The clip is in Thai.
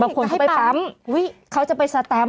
บางคนก็ไปปั๊มเขาจะไปสตาม